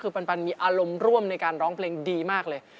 คือปันมีอารมณ์ร่วมในการร้องเพลงดีมากเลย